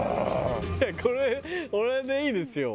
これこれでいいですよ。